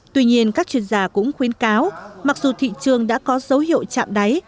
tuy nhiên các chuyên gia cũng khuyến cáo mặc dù thị trường đã có dấu hiệu chạm đáy